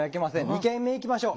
２軒目行きましょう。